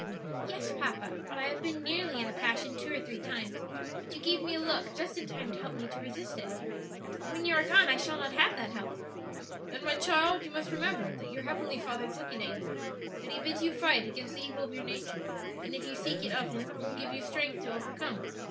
"Yes, papa; but I have been nearly in a passion two or three times; but you gave me a look just in time to help me to resist it. But when you are gone I shall not have that help." "Then, my child, you must remember that your heavenly Father is looking at you; that He bids you fight against the evil of your nature, and if you seek it of Him, will give you strength to overcome.